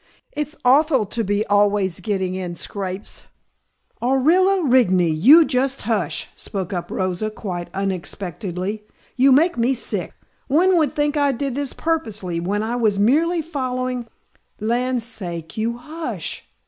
It's awful to be always getting in scrapes " "Orilla Rigney! You just hush!" spoke up Rosa quite unexpectedly. "You make me sick. One would think I did this purposely, when I was merely following " "Land sakes, you hush!"